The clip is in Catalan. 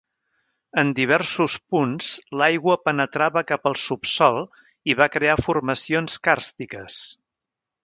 En diversos punts l'aigua penetrava cap al subsòl i va crear formacions càrstiques.